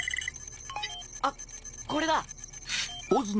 あっこれだ！